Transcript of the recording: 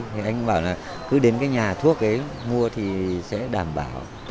thì anh bảo là cứ đến cái nhà thuốc ấy mua thì sẽ đảm bảo